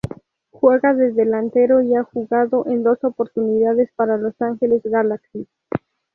Juega de delantero y ha jugado en dos oportunidades para Los Ángeles Galaxy.